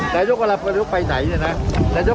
คือดูตรงไหนบ้าง